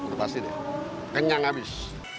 kalau cowok makan disini ngepas ini kenyang abis